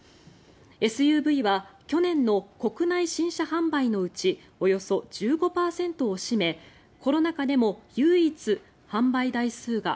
ＳＵＶは去年の国内新車販売のうちおよそ１５％を占めコロナ禍でも唯一、販売台数が